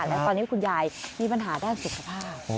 และตอนนี้คุณยายมีปัญหาด้านสุขภาพ